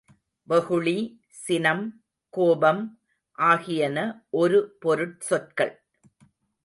வெகுளி, சினம், கோபம் ஆகியன ஒரு பொருட்சொற்கள்.